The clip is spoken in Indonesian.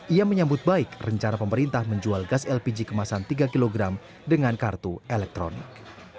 ia menyambut baik rencana pemerintah menjual gas lpg kemasan tiga kg dengan kartu elektronik